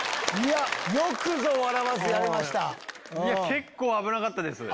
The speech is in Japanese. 結構危なかったです。